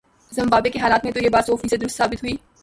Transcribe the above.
Zimbabwe کے حالات میں تو یہ بات سوفیصد درست ثابت ہوئی۔